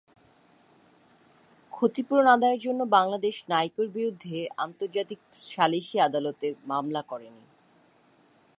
ক্ষতিপূরণ আদায়ের জন্য বাংলাদেশ নাইকোর বিরুদ্ধে আন্তর্জাতিক সালিসি আদালতে মামলা করেনি।